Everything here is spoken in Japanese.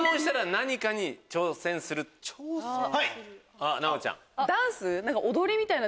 あっ奈央ちゃん。